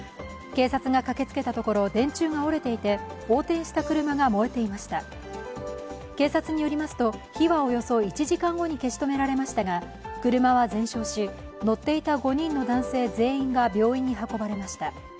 警察が駆けつけたところ電柱が折れていて横転した車が燃えていました警察によりますと、火はおよそ１時間後に消し止められましたが、車は全焼し、乗っていた５人の男性全員が病院に運ばれました。